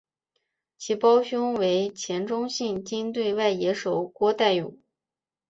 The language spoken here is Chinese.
其胞兄为前中信鲸队外野手郭岱咏。